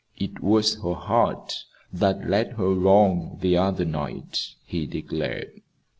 "It was her heart that led her wrong the other night," he declared.